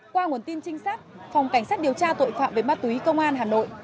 qua nguồn tin trinh sát phòng cảnh sát điều tra tội phạm về ma túy công an hà nội